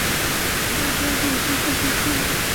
早已知道必有相似之处